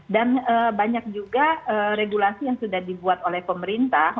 dan banyak juga regulasi yang sudah dibuat oleh pemerintah